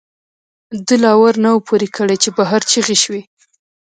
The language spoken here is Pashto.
دَ لا ور نه وو پورې کړ، چې بهر چغې شوې